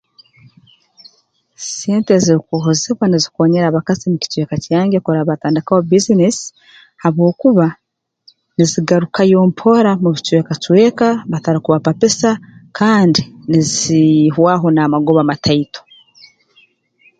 Sente ezirukwohozibwa nizikoonyera abakazi mu kicweka kyange kurora baatandikaho bbiizinesi habwokuba nizigarukayo mpora mu bicweka cweka batarukubapapisa kandi nizii hwaho n'amagoba mataito